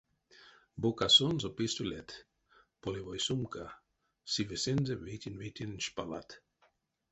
Бокасонзо пистолет, полевой сумка, сивесэнзэ вейтень-вейтень шпалат.